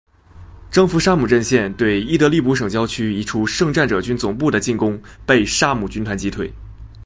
征服沙姆阵线对伊德利卜省郊区一处圣战者军总部的进攻被沙姆军团击退。